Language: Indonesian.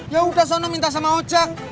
yaudah sana minta sama ojak